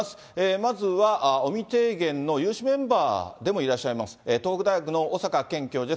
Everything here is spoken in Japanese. まずは、尾身提言の有志メンバーでもいらっしゃいます、東北大学の小坂健教授です。